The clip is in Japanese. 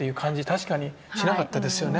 確かにしなかったですよね